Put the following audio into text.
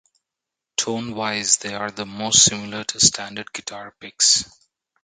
Tone wise, they are the most similar to standard guitar picks.